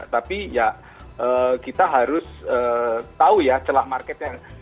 tapi ya kita harus tahu ya celah marketnya